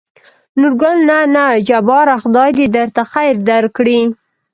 نورګل: نه نه جباره خداى د درته خېر درکړي.